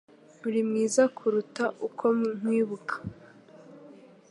Urimwiza kuruta uko nkwibuka.